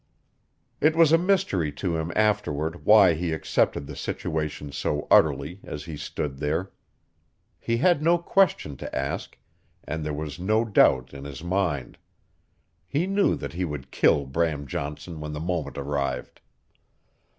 It was a mystery to him afterward why he accepted the situation so utterly as he stood there. He had no question to ask, and there was no doubt in his mind. He knew that he would kill Bram Johnson when the moment arrived.